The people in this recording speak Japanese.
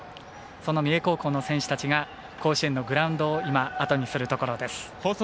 その三重高校の選手たちが甲子園のグラウンドをあとにするところです。